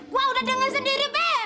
gua udah denger sendiri be